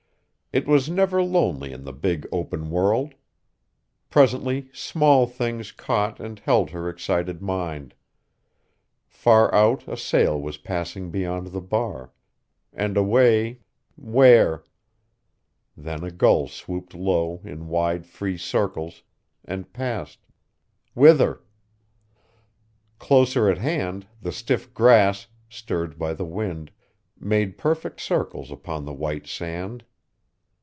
It was never lonely in the big open world! Presently small things caught and held her excited mind. Far out a sail was passing beyond the bar, and away where? Then a gull swooped low in wide free circles, and passed whither? Closer at hand, the stiff grass, stirred by the wind, made perfect circles upon the white sand.